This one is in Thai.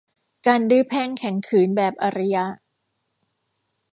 การดื้อแพ่งแข็งขืนแบบอารยะ